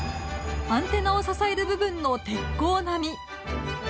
アンテナを支える部分の鉄鋼並み。